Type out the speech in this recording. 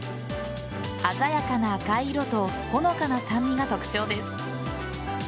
鮮やかな赤い色とほのかな酸味が特徴です。